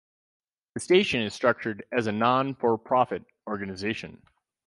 The station is structured as a non-for-profit organisation.